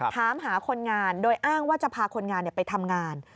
ถามหาคนงานโดยอ้างว่าจะพาคนงานไปทำงาน